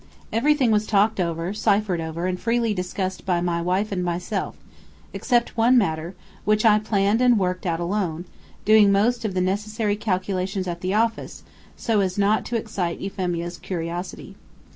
Everything was talked over, ciphered over, and freely discussed by my wife and myself, except one matter, which I planned and worked out alone, doing most of the necessary calculations at the office, so as not to excite Euphemia's curiosity.